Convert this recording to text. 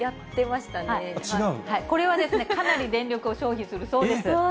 これは、かなり電力を消費するそうです。